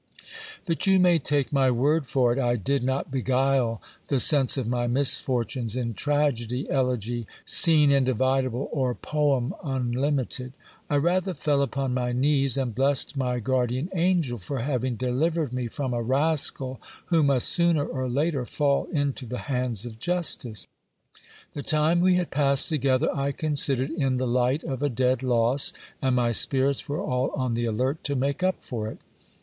But you may take my word for it, I did not beguile the sense of my misfortunes in tragedy, elegy, scene individ able, or poem unlimited. I rather fell upon my knees, and blessed my guard ian angel, for having delivered me from a rascal who must sooner or later fall into the hands of justice. The time we had passed together I considered in the light of a dead loss, and my spirits were all on the alert to make up for it.